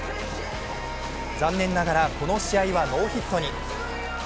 残念ながら、この試合はノーヒットに。